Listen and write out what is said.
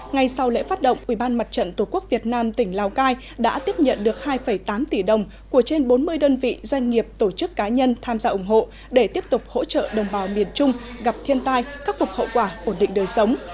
ngay sau lễ phát động ubnd tổ quốc việt nam tỉnh lào cai đã tiếp nhận được hai tám tỷ đồng của trên bốn mươi đơn vị doanh nghiệp tổ chức cá nhân tham gia ủng hộ để tiếp tục hỗ trợ đồng bào miền trung gặp thiên tai khắc phục hậu quả ổn định đời sống